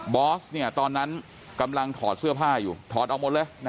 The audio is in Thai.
อสตอนนั้นกำลังถอดเสื้อผ้าอยู่ถอดออกหมดเลย